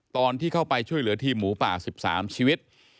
ตอนที่เข้าไปช่วยเหลือทีมหมูป่า๑๓ชีวิต